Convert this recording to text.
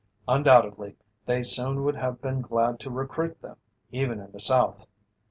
Undoubtedly they soon would have been glad to recruit them, even in the South.